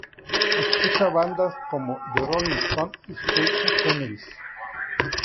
Escuchaba bandas como The Rolling Stones y Sui Generis.